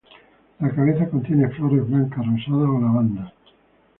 La cabeza contiene flores blancas, rosadas, o lavanda.